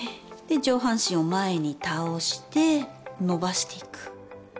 上半身を前に倒して伸ばしていく。